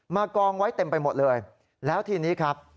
กองไว้เต็มไปหมดเลยแล้วทีนี้ครับ